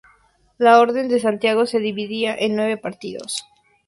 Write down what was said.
La Orden de Santiago se dividía en nueve partidos.